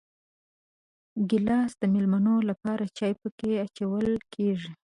ګیلاس د مېلمنو لپاره چای پکې اچول کېږي.